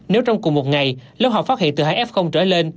nếu trong cùng một ngày lớp học phát hiện từ hai f trở lên